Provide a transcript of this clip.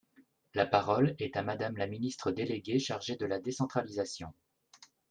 La parole est à Madame la ministre déléguée chargée de la décentralisation.